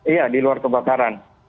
iya di luar kebakaran